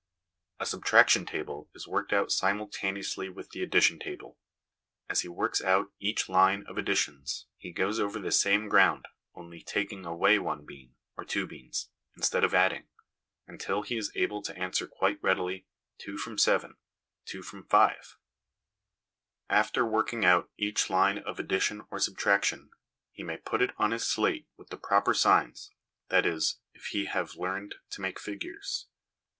A subtraction table is worked out simultaneously with the addition table. As he works out each line of additions, he goes over the same ground, only taking away one bean, or two beans, instead of adding, until he is able to answer quite readily, 2 from 7 ? 2 from 5 ? After working out each line of LESSONS AS INSTRUMENTS OF EDUCATION 257 addition or subtraction, he may put it on his slate with the proper signs, that is, if he have learned to make figures.